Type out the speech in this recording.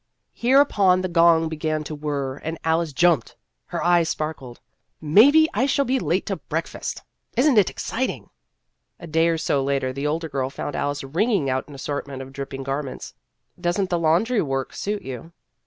Hereupon the gong began to whir, and Alice jumped. Her eyes sparkled. " Maybe I shall be late to breakfast ! Is n't it exciting !" A day or so later, the older girl found Alice wringing out an assortment of dripping garments. " Does n't the laundry work suit you